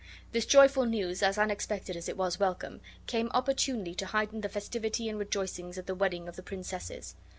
This joyful news, as unexpected as it was welcome, came opportunely to heighten the festivity and rejoicings at the wedding of the princesses.